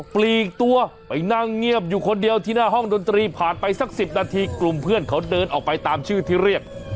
ปลีกตัวไปนั่งเงียบอยู่คนเดียวที่หน้าห้องดนตรีผ่านไปสัก๑๐นาทีกลุ่มเพื่อนเขาเดินออกไปตามชื่อที่เรียก